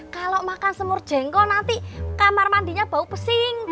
kalau makan semur jengkol nanti kamar mandinya bau pesing